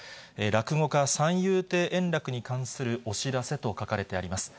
落語家、三遊亭円楽に関するお知らせと書かれてあります。